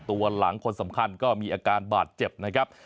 ตัวหลังคนสำคัญก็มีอาการบาดเจ็บนะครับ